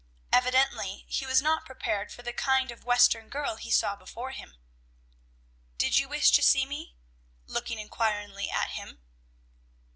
Evidently he was not prepared for the kind of Western girl he saw before him. "Did you wish to see me?" looking inquiringly at him.